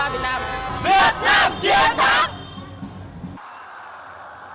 việt nam chiến thắng